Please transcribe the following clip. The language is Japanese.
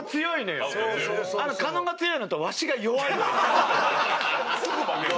狩野が強いのとワシが弱いのよ。